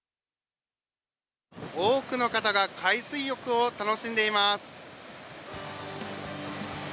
多くの方が海水浴を楽しんでいます。